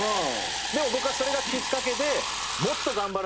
でも僕はそれがきっかけでもっと頑張らないとと。